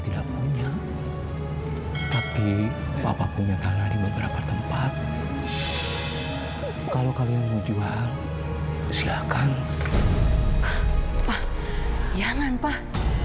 tidak punya tapi papa punya tanah di beberapa tempat kalau kalian menjual silakan jangan pak